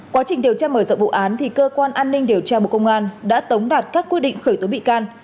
quá trình điều tra mở rộng vụ án thì cơ quan an ninh điều tra bộ công an đã tống đạt các quyết định khởi tố bị can